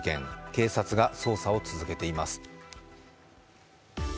警察が捜査を続けています。